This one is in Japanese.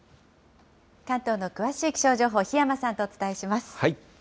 関東の詳しい気象情報、檜山さんとお伝えします。